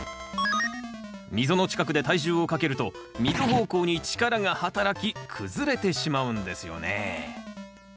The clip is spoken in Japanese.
溝の近くで体重をかけると溝方向に力が働き崩れてしまうんですよね。